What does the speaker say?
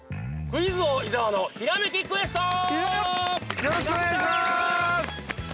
◆クイズ王・伊沢のひらめきクエストー！